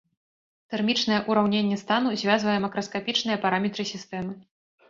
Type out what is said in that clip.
Тэрмічнае ўраўненне стану звязвае макраскапічныя параметры сістэмы.